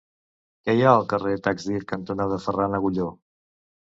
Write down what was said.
Què hi ha al carrer Taxdirt cantonada Ferran Agulló?